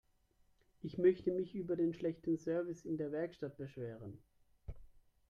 Ich möchte mich über den schlechten Service in der Werkstatt beschweren.